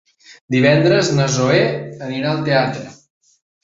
Divendres na Zoè irà al teatre.